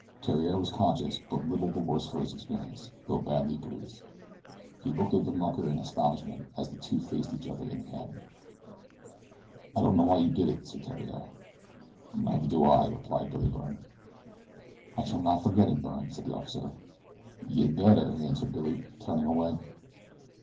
Theriere was conscious and but little the worse for his experience, though badly bruised. He looked at the mucker in astonishment as the two faced each other in the cabin. "I don't know why you did it," said Theriere. "Neither do I," replied Billy Byrne. "I shall not forget it, Byrne," said the officer. "Yeh'd better," answered Billy, turning away.